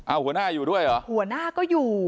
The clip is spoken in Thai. หัวหน้าอยู่ด้วยเหรอหัวหน้าก็อยู่